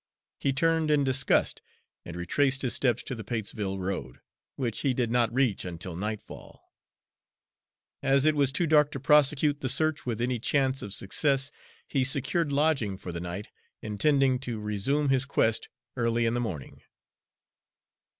He turned in disgust and retraced his steps to the Patesville road, which he did not reach until nightfall. As it was too dark to prosecute the search with any chance of success, he secured lodging for the night, intending to resume his quest early in the morning.